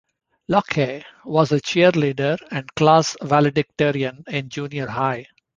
Locke was a cheerleader and class valedictorian in junior high.